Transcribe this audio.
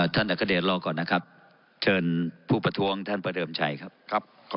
ท่านอัคเดชรอก่อนนะครับเชิญผู้ประท้วงท่านประเดิมชัยครับ